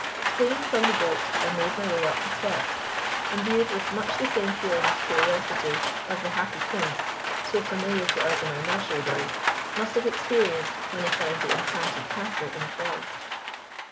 Springing from the boat I made my way up the steps, imbued with much the same feeling of curiosity as the happy Prince, so familiar to us in our nursery days, must have experienced when he found the enchanted castle in the forest.